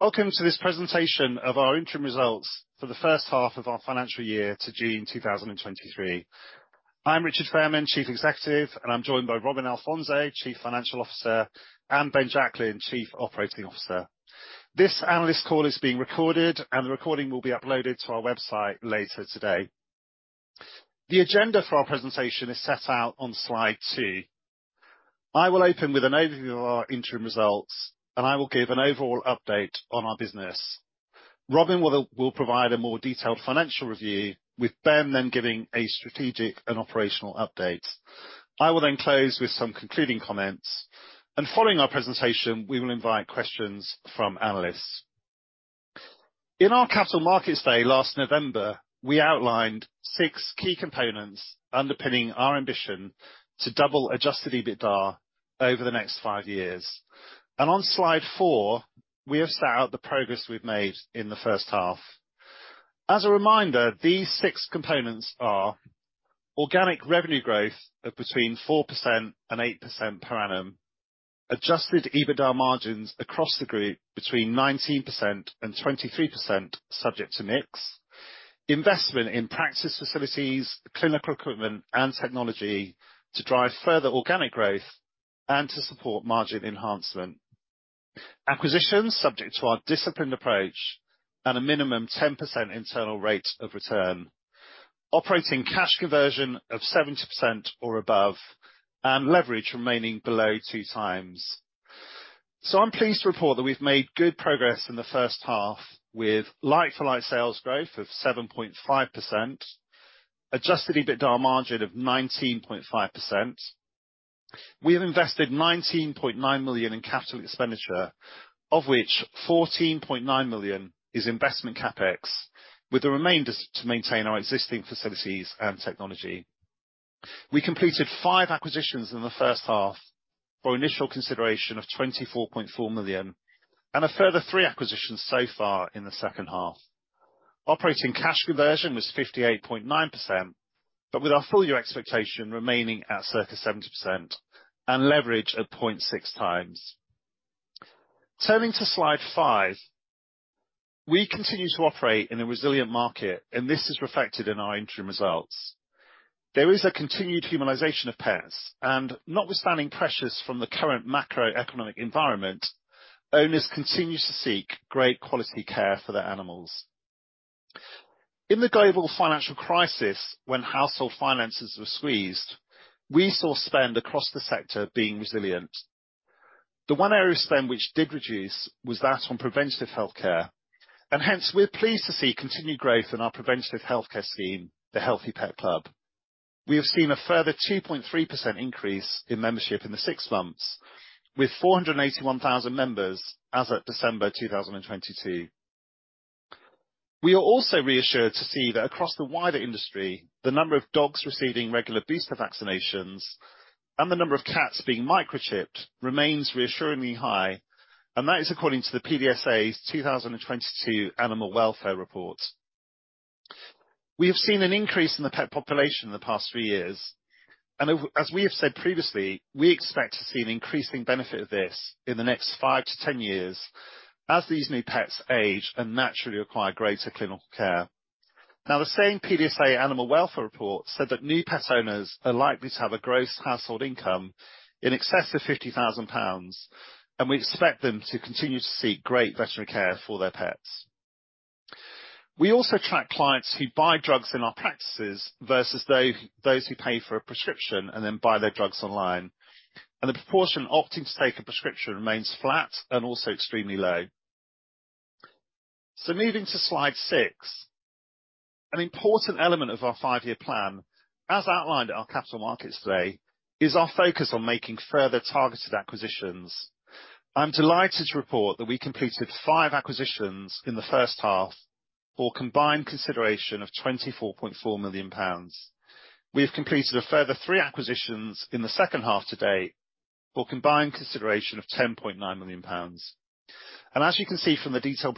Welcome to this presentation of our interim results for the first half of our financial year to June 2023. I'm Richard Fairman, Chief Executive, and I'm joined by Robin Alfonso, Chief Financial Officer, and Ben Jacklin, Chief Operating Officer. This analyst call is being recorded. The recording will be uploaded to our website later today. The agenda for our presentation is set out on slide two. I will open with an overview of our interim results. I will give an overall update on our business. Robin will provide a more detailed financial review, with Ben then giving a strategic and operational update. I will close with some concluding comments. Following our presentation, we will invite questions from analysts. In our Capital Markets Day last November, we outlined six key components underpinning our ambition to double adjusted EBITDA over the next five years. On slide four, we have set out the progress we've made in the first half. As a reminder, these six components are organic revenue growth of between 4% and 8% per annum. adjusted EBITDA margins across the group between 19% and 23%, subject to mix. Investment in practice facilities, clinical equipment, and technology to drive further organic growth and to support margin enhancement. Acquisitions subject to our disciplined approach and a minimum 10% internal rate of return. Operating cash conversion of 70% or above, and leverage remaining below two times. I'm pleased to report that we've made good progress in the first half with like-for-like sales growth of 7.5%, adjusted EBITDA margin of 19.5%. We have invested 19.9 million in capital expenditure, of which 14.9 million is investment CapEx, with the remainder to maintain our existing facilities and technology. We completed five acquisitions in the first half for initial consideration of 24.4 million and a further three acquisitions so far in the second half. Operating cash conversion was 58.9%. With our full year expectation remaining at circa 70% and leverage of 0.6x. Turning to slide five, we continue to operate in a resilient market, this is reflected in our interim results. There is a continued humanization of pets, notwithstanding pressures from the current macroeconomic environment, owners continue to seek great quality care for their animals. In the global financial crisis, when household finances were squeezed, we saw spend across the sector being resilient. The one area of spend which did reduce was that on preventative healthcare. Hence, we're pleased to see continued growth in our preventative healthcare scheme, The Healthy Pet Club. We have seen a further 2.3% increase in membership in the six months, with 481,000 members as at December 2022. We are also reassured to see that across the wider industry, the number of dogs receiving regular booster vaccinations and the number of cats being microchipped remains reassuringly high, and that is according to the PDSA's 2022 Animal Welfare Report. We have seen an increase in the pet population in the past three years, as we have said previously, we expect to see an increasing benefit of this in the next five to 10 years as these new pets age and naturally acquire greater clinical care. The same PDSA Animal Welfare Report said that new pet owners are likely to have a gross household income in excess of 50,000 pounds, and we expect them to continue to seek great veterinary care for their pets. We also track clients who buy drugs in our practices versus those who pay for a prescription and then buy their drugs online. The proportion opting to take a prescription remains flat and also extremely low. Moving to slide six. An important element of our five-year plan, as outlined at our Capital Markets Day, is our focus on making further targeted acquisitions. I'm delighted to report that we completed five acquisitions in the first half for combined consideration of 24.4 million pounds. We have completed a further three acquisitions in the second half to date, for combined consideration of 10.9 million pounds. As you can see from the detail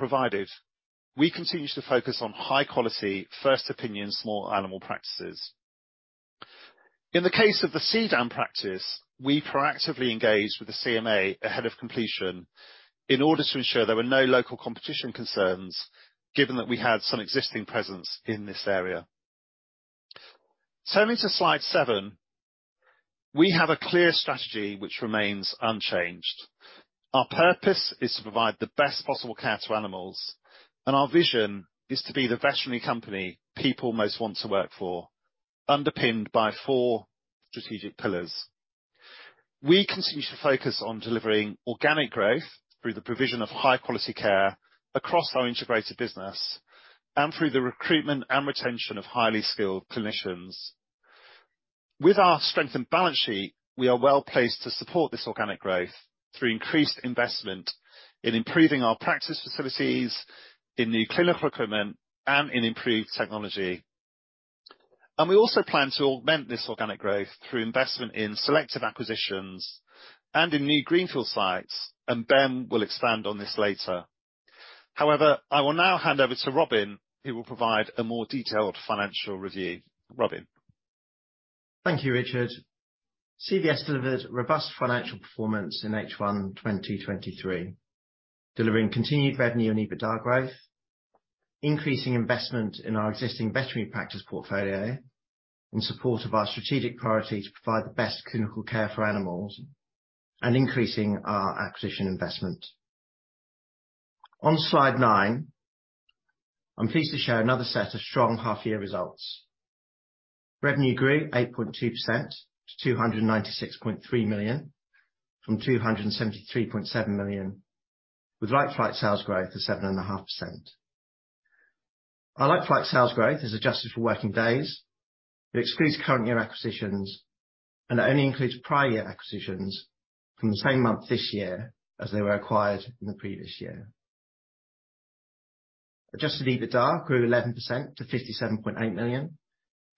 provided, we continue to focus on high-quality, first-opinion, small animal practices. In the case of the Seadown practice, we proactively engaged with the CMA ahead of completion in order to ensure there were no local competition concerns, given that we had some existing presence in this area. Turning to slide seven, we have a clear strategy which remains unchanged. Our purpose is to provide the best possible care to animals, and our vision is to be the veterinary company people most want to work for, underpinned by four strategic pillars. We continue to focus on delivering organic growth through the provision of high-quality care across our integrated business and through the recruitment and retention of highly skilled clinicians. With our strengthened balance sheet, we are well placed to support this organic growth through increased investment in improving our practice facilities, in new clinical recruitment, and in improved technology. We also plan to augment this organic growth through investment in selective acquisitions and in new greenfield sites, and Ben will expand on this later. I will now hand over to Robin, who will provide a more detailed financial review. Robin Thank you, Richard. CVS delivered robust financial performance in H1 2023, delivering continued revenue and EBITDA growth, increasing investment in our existing Veterinary Practices division portfolio in support of our strategic priority to provide the best clinical care for animals and increasing our acquisition investment. On slide nine, I'm pleased to show another set of strong half year results. Revenue grew 8.2% to 296.3 million, from 273.7 million, with like-for-like sales growth of 7.5%. Our like-for-like sales growth is adjusted for working days. It excludes current year acquisitions and it only includes prior year acquisitions from the same month this year as they were acquired in the previous year. adjusted EBITDA grew 11% to 57.8 million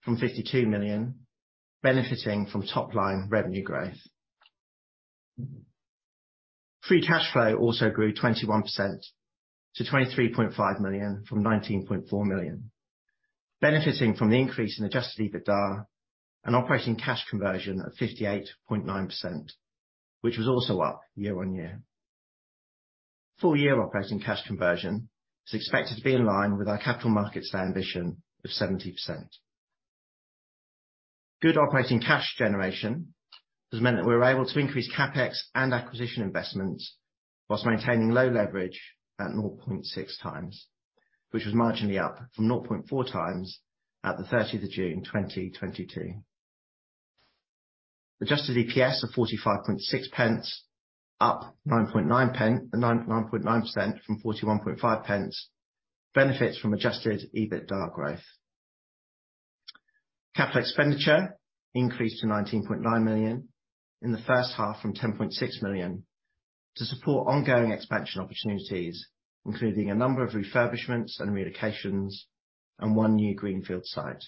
from 52 million, benefiting from top line revenue growth. Free cash flow also grew 21% to 23.5 million from 19.4 million, benefiting from the increase in adjusted EBITDA and operating cash conversion of 58.9%, which was also up year-over-year. Full year operating cash conversion is expected to be in line with our capital markets ambition of 70%. Good operating cash generation has meant that we're able to increase CapEx and acquisition investments whilst maintaining low leverage at 0.6x, which was marginally up from 0.4x at the 13th of June 2022. adjusted EPS of 45.6p, up 9.9% from 41.5p benefits from adjusted EBITDA growth. Capital expenditure increased to 19.9 million in the first half from 10.6 million to support ongoing expansion opportunities, including a number of refurbishments and relocations and one new greenfield site.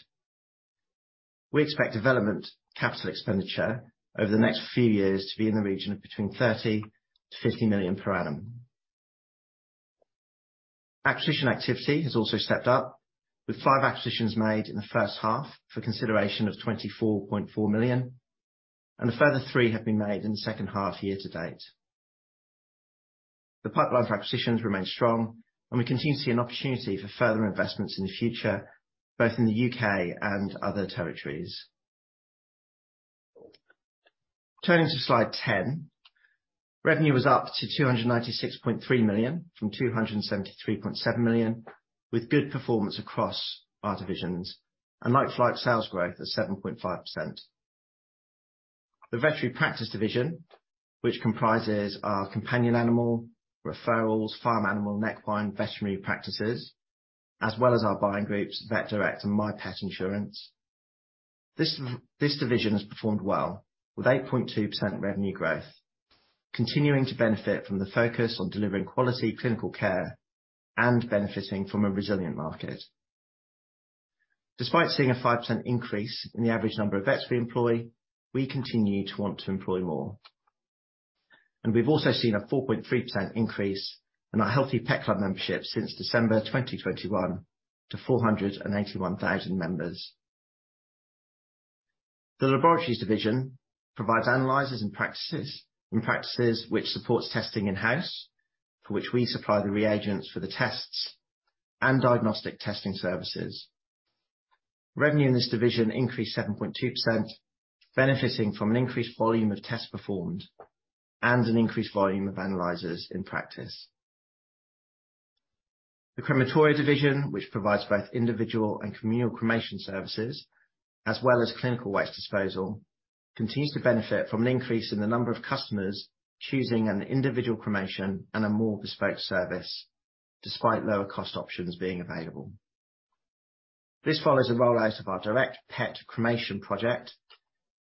We expect development capital expenditure over the next few years to be in the region of between 30 million-50 million per annum. Acquisition activity has also stepped up, with five acquisitions made in the first half for consideration of 24.4 million. A further three have been made in the second half year to date. The pipeline for acquisitions remains strong. We continue to see an opportunity for further investments in the future, both in the U.K. and other territories. Turning to slide 10. Revenue was up to 296.3 million from 273.7 million, with good performance across our divisions and like-for-like sales growth of 7.5%. The Veterinary Practices division, which comprises our companion animal, referrals, farm animal, equine, Veterinary Practices, as well as our buying groups, Vet Direct and MiVetClub. This division has performed well with 8.2% revenue growth continuing to benefit from the focus on delivering quality clinical care and benefiting from a resilient market. Despite seeing a 5% increase in the average number of vets we employ, we continue to want to employ more. We've also seen a 4.3% increase in The Healthy Pet Club membership since December 2021 to 481,000 members. The Laboratories division provides analyzers in practices which supports testing in-house, for which we supply the reagents for the tests and diagnostic testing services. Revenue in this division increased 7.2%, benefiting from an increased volume of tests performed and an increased volume of analyzers in practice. The Crematoria division, which provides both individual and communal cremation services, as well as clinical waste disposal, continues to benefit from an increase in the number of customers choosing an individual cremation and a more bespoke service despite lower cost options being available. This follows the rollout of our direct pet cremation project,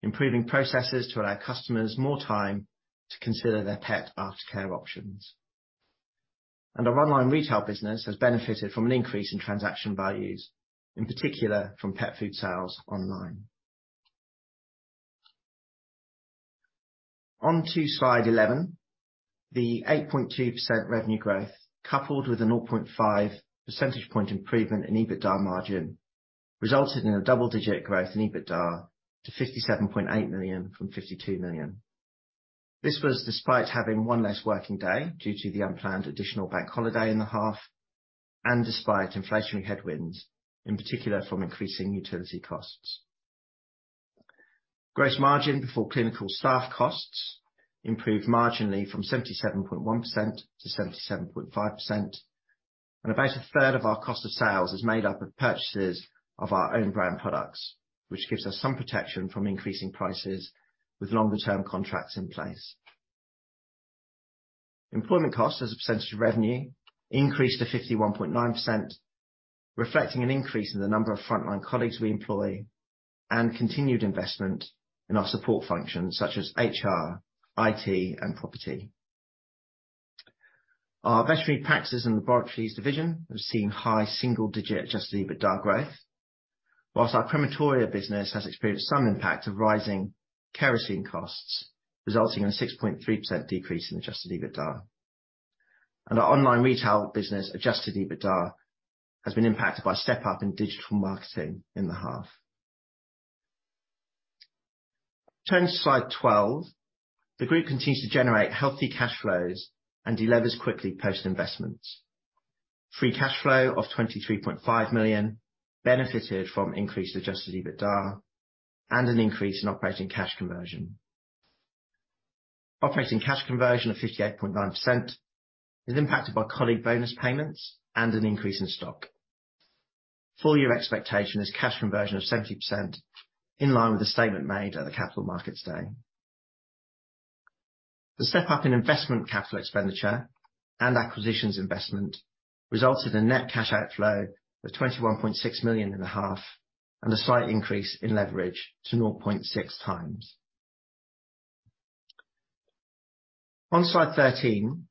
improving processes to allow customers more time to consider their pet aftercare options. Our online retail business has benefited from an increase in transaction values, in particular from pet food sales online. On to slide 11. The 8.2% revenue growth, coupled with a 0.5 percentage point improvement in EBITDA margin, resulted in a double-digit growth in EBITDA to 57.8 million from 52 million. This was despite having 1 less working day due to the unplanned additional bank holiday in the half and despite inflationary headwinds, in particular from increasing utility costs. Gross margin before clinical staff costs improved marginally from 77.1% to 77.5%, and about a third of our cost of sales is made up of purchases of our own brand products, which gives us some protection from increasing prices with longer term contracts in place. Employment costs as a percentage of revenue increased to 51.9%, reflecting an increase in the number of frontline colleagues we employ and continued investment in our support functions such as HR, IT, and property. Our Veterinary Practices and Laboratories division have seen high-single-digit adjusted EBITDA growth, whilst our Crematoria division has experienced some impact of rising kerosene costs, resulting in a 6.3% decrease in adjusted EBITDA. Our online retail business adjusted EBITDA has been impacted by a step up in digital marketing in the half. Turning to slide 12, the group continues to generate healthy cash flows and de-levers quickly post-investments. Free cash flow of 23.5 million benefited from increased adjusted EBITDA and an increase in operating cash conversion. Operating cash conversion of 58.9% is impacted by colleague bonus payments and an increase in stock. Full year expectation is cash conversion of 70% in line with the statement made at the Capital Markets Day. The step-up in investment CapEx and acquisitions investment resulted in net cash outflow of 21.6 million in the half, and a slight increase in leverage to 0.6x. On slide 13,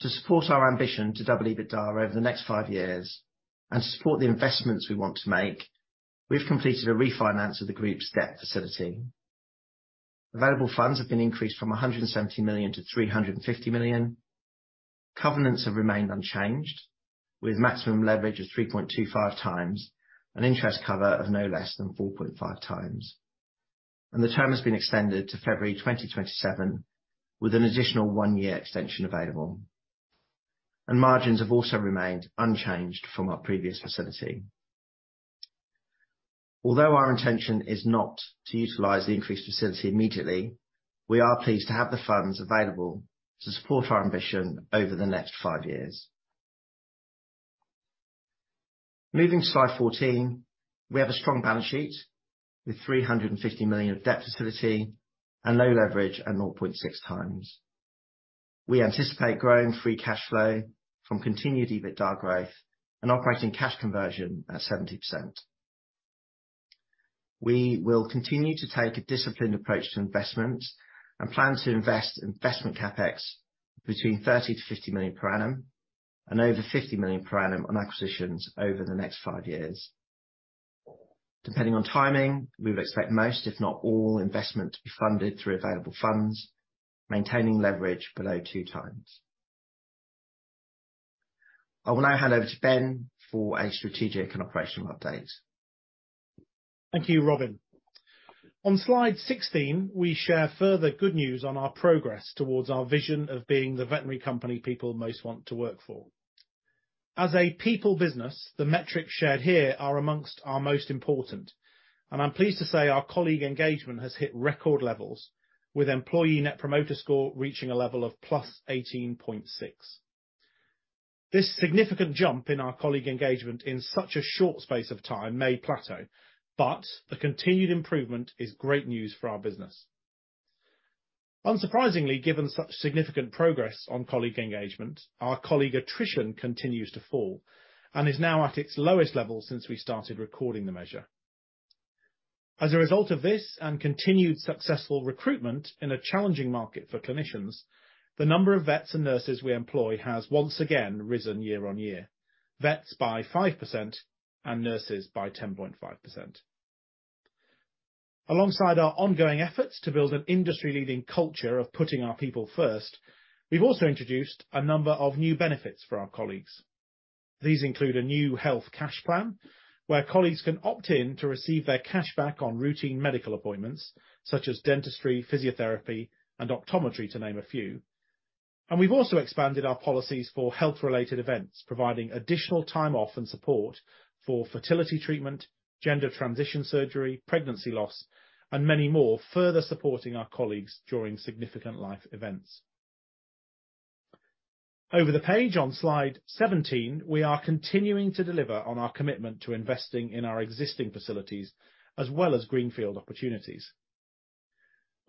to support our ambition to double EBITDA over the next five years and to support the investments we want to make, we've completed a refinance of the group's debt facility. Available funds have been increased from 170 million to 350 million. Covenants have remained unchanged, with maximum leverage of 3.25x and interest cover of no less than 4.5x. The term has been extended to February 2027, with an additional one-year extension available. Margins have also remained unchanged from our previous facility. Although our intention is not to utilize the increased facility immediately, we are pleased to have the funds available to support our ambition over the next five years. Moving to slide 14, we have a strong balance sheet with 350 million of debt facility and low leverage at 0.6 times. We anticipate growing free cash flow from continued EBITDA growth and operating cash conversion at 70%. We will continue to take a disciplined approach to investment and plan to invest investment CapEx between 30 million-50 million per annum and over 50 million per annum on acquisitions over the next five years. Depending on timing, we would expect most, if not all, investment to be funded through available funds, maintaining leverage below two times. I will now hand over to Ben for a strategic and operational update. Thank you, Robin. On slide 16, we share further good news on our progress towards our vision of being the veterinary company people most want to work for. As a people business, the metrics shared here are amongst our most important, and I'm pleased to say our colleague engagement has hit record levels with Employee Net Promoter Score reaching a level of +18.6. This significant jump in our colleague engagement in such a short space of time may plateau, but the continued improvement is great news for our business. Unsurprisingly, given such significant progress on colleague engagement, our colleague attrition continues to fall and is now at its lowest level since we started recording the measure. As a result of this and continued successful recruitment in a challenging market for clinicians, the number of vets and nurses we employ has once again risen year-over-year. Vets by 5% and nurses by 10.5%. Alongside our ongoing efforts to build an industry-leading culture of putting our people first, we've also introduced a number of new benefits for our colleagues. These include a new health cash plan where colleagues can opt in to receive their cashback on routine medical appointments such as dentistry, physiotherapy and optometry, to name a few. We've also expanded our policies for health-related events providing additional time off and support for fertility treatment, gender transition surgery, pregnancy loss, and many more, further supporting our colleagues during significant life events. Over the page on slide 17, we are continuing to deliver on our commitment to investing in our existing facilities as well as greenfield opportunities.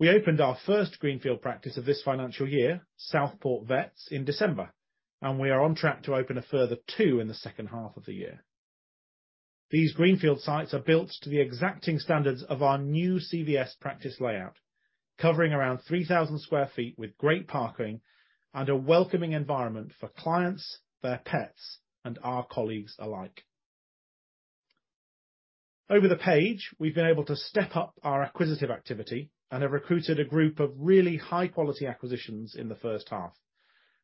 We opened our first greenfield practice of this financial year, Southport Vets, in December, and we are on track to open a further two in the second half of the year. These greenfield sites are built to the exacting standards of our new CVS practice design, covering around 3,000 sq ft with great parking and a welcoming environment for clients, their pets, and our colleagues alike. Over the page, we've been able to step up our acquisitive activity and have recruited a group of really high quality acquisitions in the first half,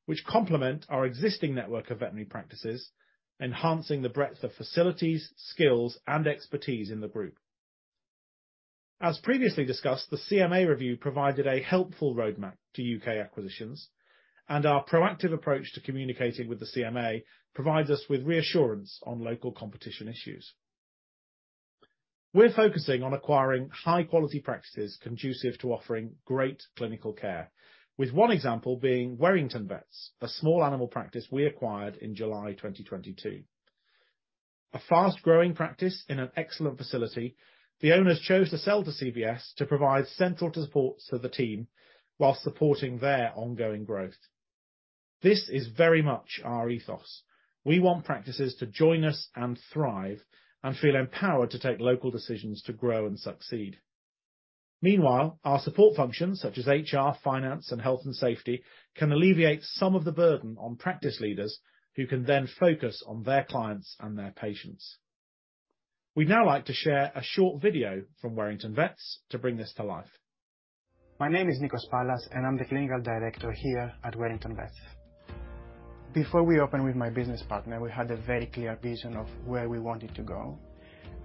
which complement our existing network of Veterinary Practices, enhancing the breadth of facilities, skills, and expertise in the group. As previously discussed, the CMA review provided a helpful roadmap to U.K. acquisitions, and our proactive approach to communicating with the CMA provides us with reassurance on local competition issues. We're focusing on acquiring high quality practices conducive to offering great clinical care, with one example being Werrington Vets, a small animal practice we acquired in July 2022. A fast-growing practice in an excellent facility, the owners chose to sell to CVS to provide central supports to the team while supporting their ongoing growth. This is very much our ethos. We want practices to join us and thrive and feel empowered to take local decisions to grow and succeed. Meanwhile, our support functions such as HR, finance, and health and safety can alleviate some of the burden on practice leaders who can then focus on their clients and their patients. We'd now like to share a short video from Werrington Vets to bring this to life. My name is Nikos Pallas, and I'm the Clinical Director here at Werrington Vets. Before we opened with my business partner, we had a very clear vision of where we wanted to go,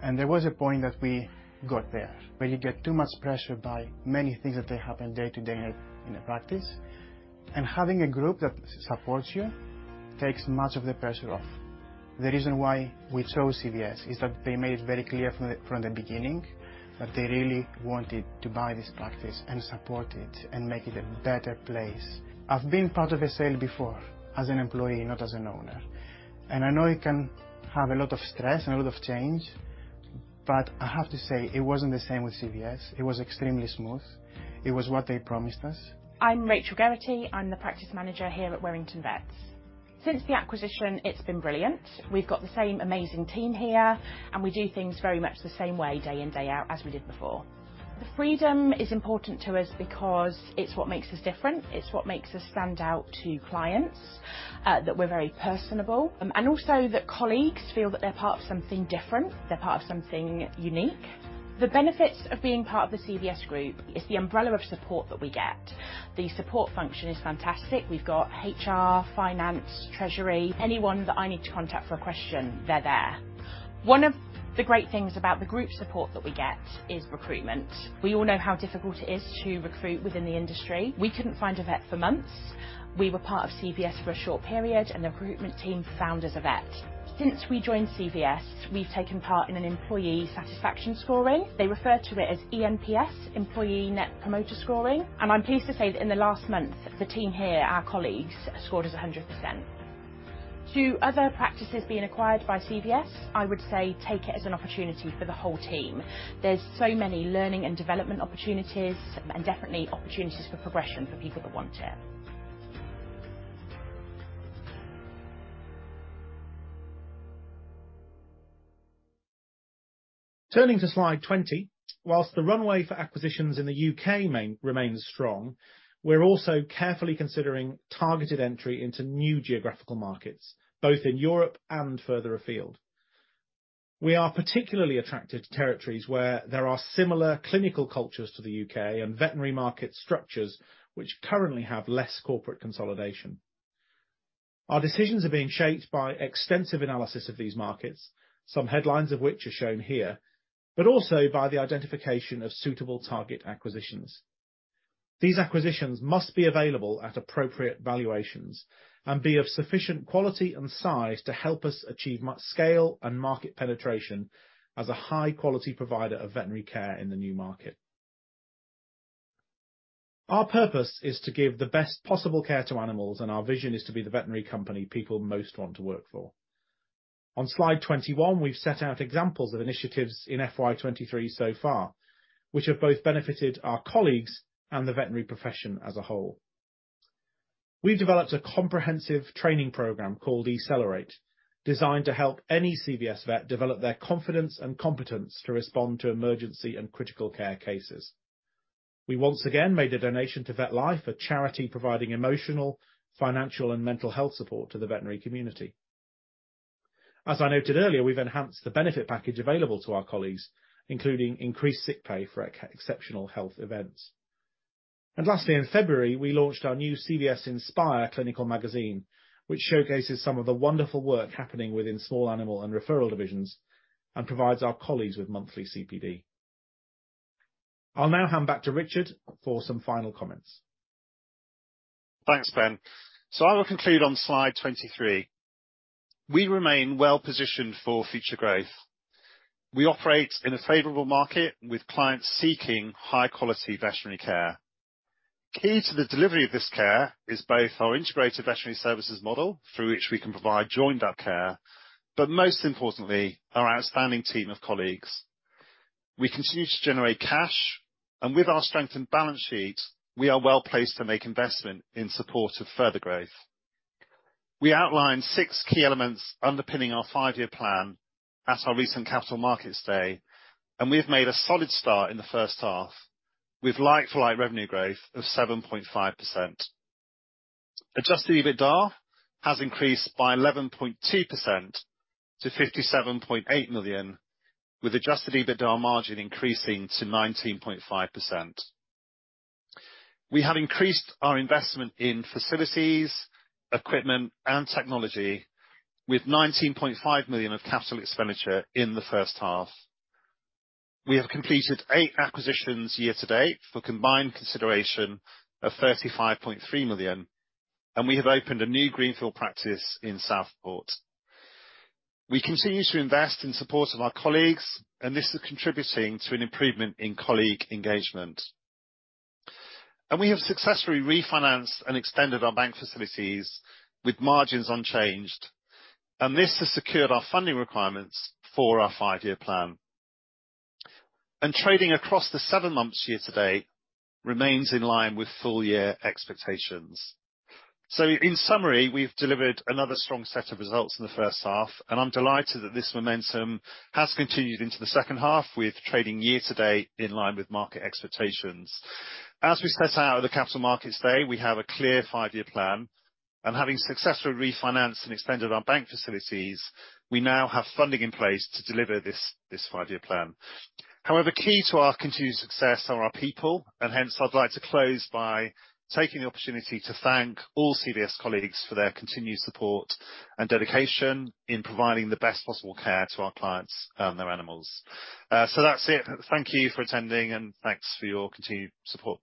and there was a point that we got there. You get too much pressure by many things that they happen day to day in a practice. Having a group that supports you takes much of the pressure off. The reason why we chose CVS is that they made it very clear from the beginning that they really wanted to buy this practice and support it, and make it a better place. I've been part of a sale before, as an employee, not as an owner, and I know it can have a lot of stress and a lot of change, but I have to say, it wasn't the same with CVS. It was extremely smooth. It was what they promised us. I'm Rachael Geraghty. I'm the practice manager here at Werrington Vets. Since the acquisition, it's been brilliant. We've got the same amazing team here. We do things very much the same way day in, day out as we did before. The freedom is important to us because it's what makes us different. It's what makes us stand out to clients, that we're very personable and also that colleagues feel that they're part of something different, they're part of something unique. The benefits of being part of the CVS Group is the umbrella of support that we get. The support function is fantastic. We've got HR, finance, treasury. Anyone that I need to contact for a question, they're there. One of the great things about the group support that we get is recruitment. We all know how difficult it is to recruit within the industry. We couldn't find a vet for months. We were part of CVS for a short period. The recruitment team found us a vet. Since we joined CVS, we've taken part in an employee satisfaction scoring. They refer to it as eNPS, Employee Net Promoter Score. I'm pleased to say that in the last month, the team here, our colleagues, scored us 100%. To other practices being acquired by CVS, I would say take it as an opportunity for the whole team. There's so many learning and development opportunities and definitely opportunities for progression for people that want it. Turning to slide 20, whilst the runway for acquisitions in the U.K. main remains strong, we're also carefully considering targeted entry into new geographical markets, both in Europe and further afield. We are particularly attracted to territories where there are similar clinical cultures to the U.K. and veterinary market structures which currently have less corporate consolidation. Our decisions are being shaped by extensive analysis of these markets, some headlines of which are shown here, but also by the identification of suitable target acquisitions. These acquisitions must be available at appropriate valuations and be of sufficient quality and size to help us achieve scale and market penetration as a high-quality provider of veterinary care in the new market. Our purpose is to give the best possible care to animals. Our vision is to be the veterinary company people most want to work for. On slide 21, we've set out examples of initiatives in FY 2023 so far, which have both benefited our colleagues and the veterinary profession as a whole. We've developed a comprehensive training program called Accelerate, designed to help any CVS vet develop their confidence and competence to respond to emergency and critical care cases. We once again made a donation to Vetlife, a charity providing emotional, financial, and mental health support to the veterinary community. As I noted earlier, we've enhanced the benefit package available to our colleagues, including increased sick pay for exceptional health events. Lastly, in February, we launched our new CVS Inspire clinical magazine, which showcases some of the wonderful work happening within small animal and referral divisions and provides our colleagues with monthly CPD. I'll now hand back to Richard for some final comments. Thanks, Ben. I will conclude on slide 23. We remain well-positioned for future growth. We operate in a favorable market with clients seeking high-quality veterinary care. Key to the delivery of this care is both our integrated veterinary services model, through which we can provide joined-up care, but most importantly, our outstanding team of colleagues. We continue to generate cash, and with our strengthened balance sheet, we are well-placed to make investment in support of further growth. We outlined six key elements underpinning our five-year plan at our recent Capital Markets Day, and we have made a solid start in the first half with like-for-like revenue growth of 7.5%. Adjusted EBITDA has increased by 11.2% to 57.8 million, with adjusted EBITDA margin increasing to 19.5%. We have increased our investment in facilities, equipment, and technology with 19.5 million of capital expenditure in the first half. We have completed eight acquisitions year to date for combined consideration of 35.3 million, and we have opened a new greenfield practice in Southport. We continue to invest in support of our colleagues and this is contributing to an improvement in colleague engagement. We have successfully refinanced and extended our bank facilities with margins unchanged, and this has secured our funding requirements for our five-year plan. Trading across the seven months year to date remains in line with full year expectations. In summary, we've delivered another strong set of results in the first half, and I'm delighted that this momentum has continued into the second half with trading year to date in line with market expectations. As we set out at the Capital Markets Day, we have a clear five-year plan, and having successfully refinanced and extended our bank facilities, we now have funding in place to deliver this five-year plan. Key to our continued success are our people and hence I'd like to close by taking the opportunity to thank all CVS colleagues for their continued support and dedication in providing the best possible care to our clients and their animals. That's it. Thank you for attending and thanks for your continued support.